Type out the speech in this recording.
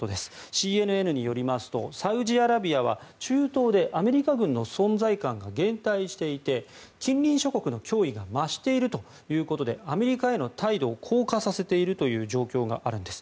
ＣＮＮによりますとサウジアラビアは中東でアメリカ軍の存在感が減退していて近隣諸国の脅威が増しているということでアメリカへの態度を硬化させているという状況があるんです。